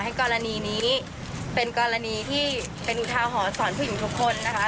ขอให้กรณีนี้เป็นกรณีที่เป็นอุทาหอสอนผู้หญิงทุกคน